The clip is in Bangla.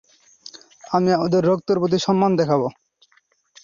আমি আমাদের রক্তের প্রতি সম্মান দেখাবো।